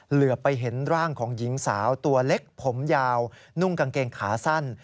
เหลือไปเห็นร่างของหญิงสาวตัวเล็กผมยาวนุ่งกางเกงขาสั้น